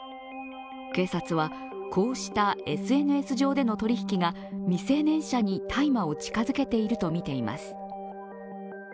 警察は、こうしたＳＮＳ上での取り引きが未成年者に大麻を近づけていると見ています。